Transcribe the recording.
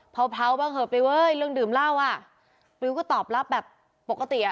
เผาบ้างเถอะปิ้ยเรื่องดื่มเหล้าอ่ะปิวก็ตอบรับแบบปกติอ่ะ